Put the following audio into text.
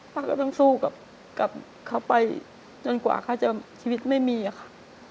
ก็ต้องสู้กับเขาไปจนกว่าเขาจะชีวิตไม่มีค่ะ